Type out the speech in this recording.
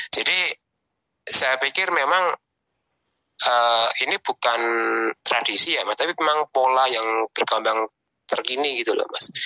jadi saya pikir memang ini bukan tradisi ya mas tapi memang pola yang berkembang terkini gitu loh mas